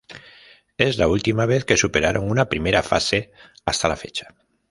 Es la última vez que superaron una primera fase hasta la fecha.